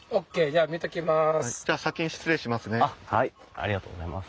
ありがとうございます。